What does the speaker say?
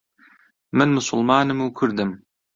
من موسڵمانم و کوردم.